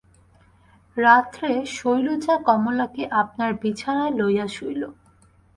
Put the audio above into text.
রাত্রে শৈলজা কমলাকে আপনার বিছানায় লইয়া শুইল।